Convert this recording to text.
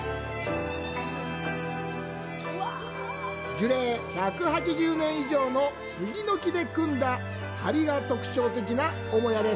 樹齢１８０年以上の杉の木で組んだ梁が特徴的な母屋。